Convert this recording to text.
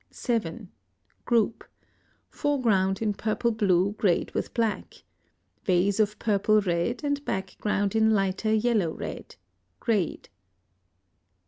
Group. Foreground in purple blue, grayed with black. Vase of purple red, and background in lighter yellow red, grayed.